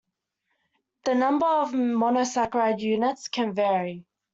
The number of monosaccharide units can vary.